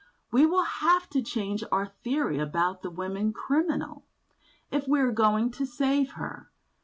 We will have to change our theory about the woman criminal, if we are going to save her.